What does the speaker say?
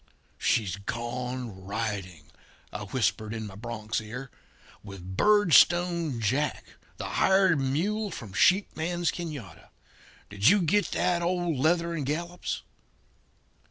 "'She's gone riding,' I whisper in my bronc's ear, 'with Birdstone Jack, the hired mule from Sheep Man's Canada. Did you get that, old Leather and Gallops?'